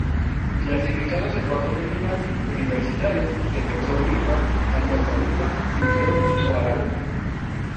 Clasificados a Cuartos de final: Universitario, Defensor Lima, Alianza Lima y Unión Huaral.